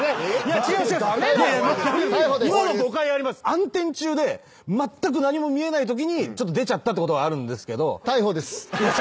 暗転中でまったく何も見えないときにちょっと出ちゃったってことはあるんですけど。